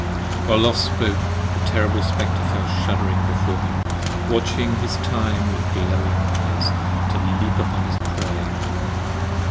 While Los spoke, the terrible Spectre fell shudd'ring before him Watching his time with glowing eyes to leap upon his prey.